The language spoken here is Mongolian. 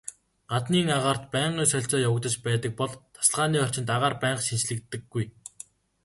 Гаднын агаарт байнгын солилцоо явагдаж байдаг бол тасалгааны орчинд агаар байнга шинэчлэгддэггүй.